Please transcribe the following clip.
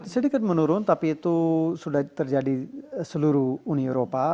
sedikit menurun tapi itu sudah terjadi seluruh uni eropa